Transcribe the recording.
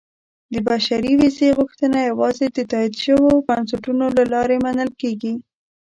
• د بشري ویزې غوښتنه یوازې د تایید شویو بنسټونو له لارې منل کېږي.